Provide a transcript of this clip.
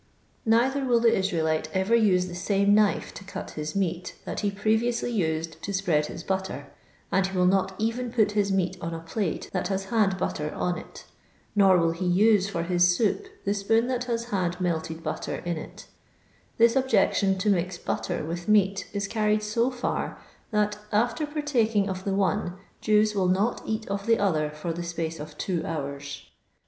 Neither will the Israelite ever use the same knife to cut his meat that he previously used to spread his butter, nnd he will not even put his meat on a plate that has had butter on it ; nor will he use for his soup the spoon that has had melted butter in it This ob jection to mix butter with meat is carried so far, that, after partaking of the one, Jews will not eat of the other for the space of two hours.